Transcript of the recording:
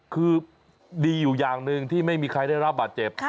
คือดีอยู่อย่างหนึ่งที่ไม่มีใครได้รับบาดเจ็บ